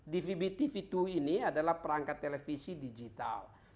dvb tv dua ini adalah perangkat televisi digital